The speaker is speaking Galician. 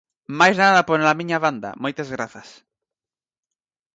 Máis nada pola miña banda, moitas grazas.